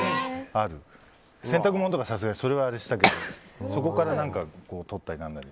洗濯物とかはさすがにしたけどそこから取ったり。